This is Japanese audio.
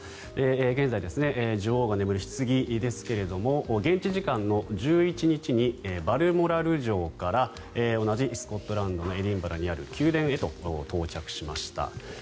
現在、女王が眠るひつぎですが現地時間の１１日にバルモラル城から同じスコットランドのエディンバラにある宮殿へと到着しました。